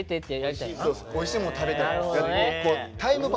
おいしいもん食べたい。